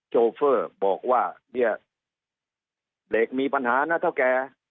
โฟเฟร์บอกว่าเดี๋ยวถูกมีปัญหาน่ะเถ้าแก